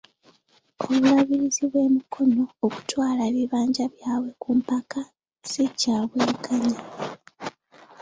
Obulabirizi bw'e Mukono okutwala ebibanja byabwe ku mpaka, ssi kya bwenkanya.